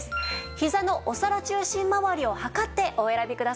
ひざのお皿中心まわりを測ってお選びください。